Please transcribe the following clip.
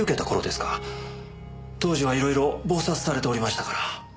当時は色々忙殺されておりましたから。